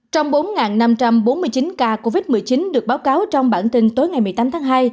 trong bốn năm trăm bốn mươi chín ca covid một mươi chín được báo cáo trong bản tin tối ngày một mươi tám tháng hai